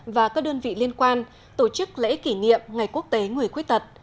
và các đơn vị liên quan tổ chức lễ kỷ niệm ngày quốc tế người khuyết tật